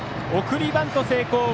送りバント成功。